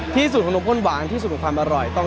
ที่สุดของนมพ่นหวานฝากถึงความอร่อยคือ